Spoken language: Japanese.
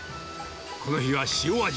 この日は塩味。